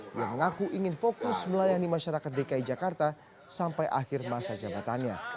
dia mengaku ingin fokus melayani masyarakat dki jakarta sampai akhir masa jabatannya